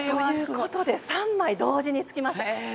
３枚同時に突きましたね。